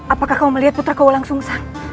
apakah kamu melihat putraku longsung sam